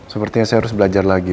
sepertinya saya harus belajar lagi